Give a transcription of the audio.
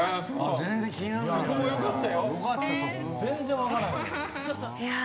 全然分からへん。